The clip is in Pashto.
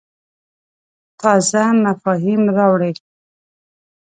تازه مفاهیم راوړې.